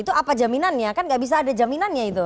itu apa jaminannya kan gak bisa ada jaminannya itu